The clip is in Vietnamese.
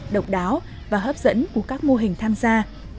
độc đáo và hấp dẫn của các mô hình tham gia